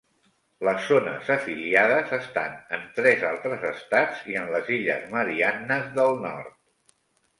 Les zones afiliades estan en tres altres estats i en les illes Mariannes del nord.